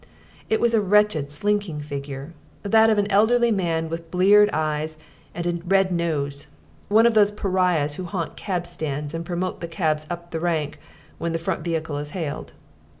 It was a wretched, slinking figure, that of an elderly man with bleared eyes and a red nose: one of those pariahs who haunt cabstands and promote the cabs up the rank when the front vehicle is hailed.